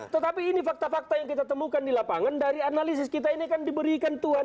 tetapi ini fakta fakta yang kita temukan di lapangan dari analisis kita ini kan diberikan tuhan